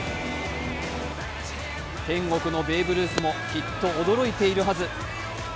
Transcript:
天国のベーブ・ルースもきっと驚いているはず。